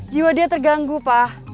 jiwa dia terganggu pak